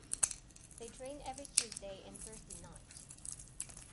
They train every Tuesday and Thursday night.